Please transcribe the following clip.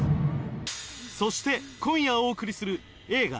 そして今夜お送りする映画